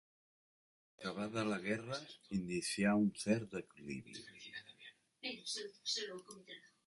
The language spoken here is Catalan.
Acabada la Guerra inicià un cert declivi.